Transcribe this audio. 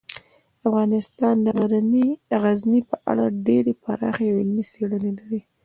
افغانستان د غزني په اړه ډیرې پراخې او علمي څېړنې لري.